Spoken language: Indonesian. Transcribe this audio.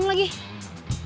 tolong bantu bapak